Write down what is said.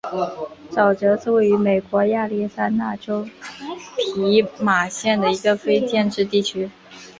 沼泽是位于美国亚利桑那州皮马县的一个非建制地区。